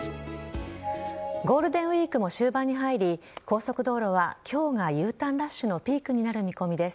ゴールデンウイークも終盤に入り高速道路は今日がＵターンラッシュのピークになる見込みです。